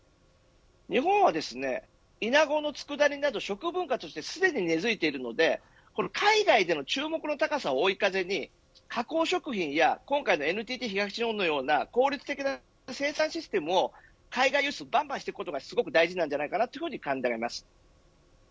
日本はイナゴのつくだ煮など食文化としてすでに根づいているので海外の注目の高さを追い風に加工食品や、今回のＮＴＴ東日本のような効率的な生産システムの海外輸出をばんばんしていくことが大切だというように感じられます。